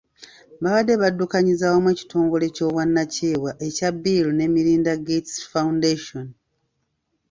Babadde baddukanyiza wamu ekitongole ky'obwannakyewa ekya Bill ne Melinda Gates Foundation .